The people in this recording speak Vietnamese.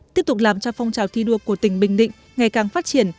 tiếp tục làm cho phong trào thi đua của tỉnh bình định ngày càng phát triển